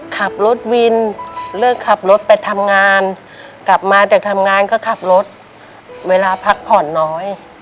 ขับรถวินเลิกขับรถไปทำงานกลับมาจากทำงานก็ขับรถเวลาพักผ่อนน้อย